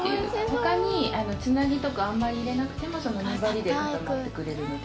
他につなぎとかあんまり入れなくてもその粘りで固まってくれるので。